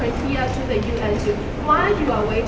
เพราะว่าพวกมันต้องรักษาอินเตอร์